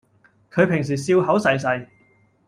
佢平時笑口噬噬